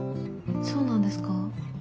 そうなんですか。